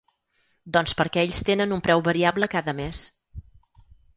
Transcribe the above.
Doncs perquè ells tenen un preu variable cada mes.